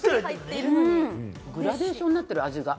グラデーションになってる、味が。